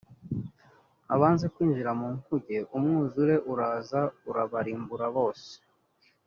abanze kwinjira mu nkuge umwuzure uraza urabarimbura bose